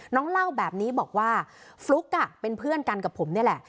เล่าแบบนี้บอกว่าฟลุ๊กเป็นเพื่อนกันกับผมนี่แหละ